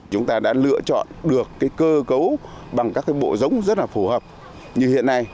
chúng ta đã lựa chọn được cơ cấu bằng các bộ giống rất là phù hợp như hiện nay